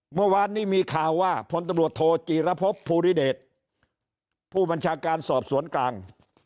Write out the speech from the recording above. เมื่อวานนี้มีข่าวว่าพลตำรวจโทจีรพบภูริเดชผู้บัญชาการสอบสวนกลาง